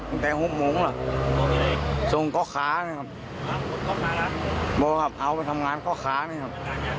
ตั้งแต่หกโมงแล้วส่งก็ขานะครับบอกครับเอาไปทำงานก็ขานะครับ